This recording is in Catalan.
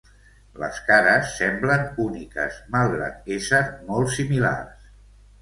Les cares semblen úniques malgrat ésser molt similars.